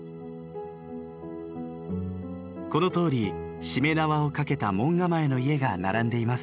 このとおり注連縄をかけた門構えの家が並んでいます。